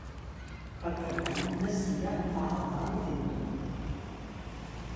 Per Cap d'Any na Cira va a la Palma d'Ebre.